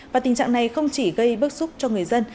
và tình trạng này không chỉ gây bức xúc cho người dân